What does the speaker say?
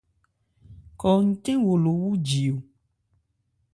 Khɔ ncɛ́n wo lo wúji o ?